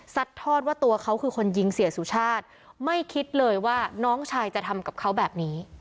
ทอดว่าตัวเขาคือคนยิงเสียสุชาติไม่คิดเลยว่าน้องชายจะทำกับเขาแบบนี้